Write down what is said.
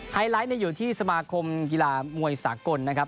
ไลท์อยู่ที่สมาคมกีฬามวยสากลนะครับ